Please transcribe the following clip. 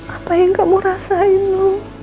apa yang kamu rasain